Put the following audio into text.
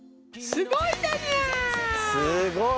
すごい。